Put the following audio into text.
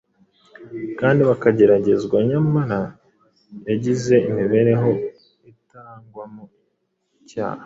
kandi bakageragezwa nyamara yagize imibereho itarangwamo icyaha